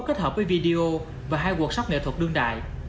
kết hợp với video và hai cuộc sắp nghệ thuật đương đại